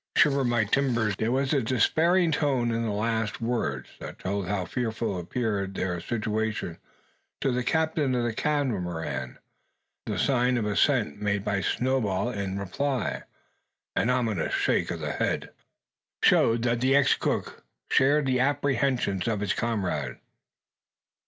Shiver my timbers! they be a gainin' on us faster than ever!" There was a despairing tone in these last words, that told how fearful appeared their situation to the captain of the Catamaran; and the sign of assent made by Snowball in reply, an ominous shake of the head, showed that the ex cook shared the apprehensions of his comrade.